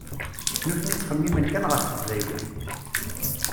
Nutni ttxemmimen kan ɣef teqbaylit.